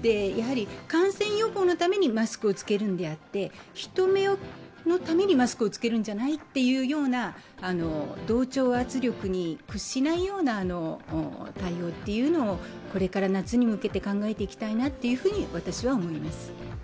感染予防のためにマスクを着けるのであって、人目のためにマスクを着けるんじゃないというような同調圧力に屈しない対応っていうのをこれから夏に向けて考えていきたいなって思います。